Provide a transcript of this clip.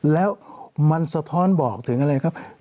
แล้วมันสะท้อนบอกถึงอะไรครับ